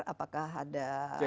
apakah sudah ada survei